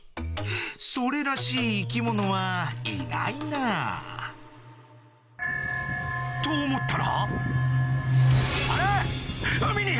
それらしい生き物はいないなと思ったらあれ？